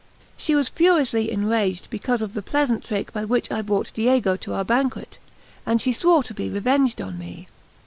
She was furiously enraged because of the pleasant trick by which I brought Diego to our banquet, and she swore to be revenged on me.